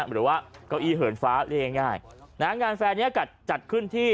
หรือว่าเก้าอี้เหินฟ้าเรียกง่ายง่ายนะฮะงานแฟร์นี้จัดขึ้นที่